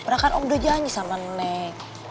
pernah kan om udah janji sama neng